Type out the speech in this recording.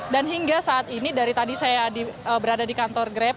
dan hingga saat ini dari tadi saya berada di kantor grab